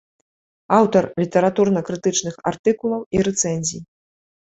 Аўтар літаратурна-крытычных артыкулаў і рэцэнзій.